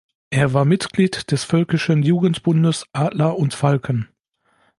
Er war Mitglied des völkischen Jugendbundes Adler und Falken.